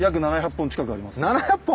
７００本？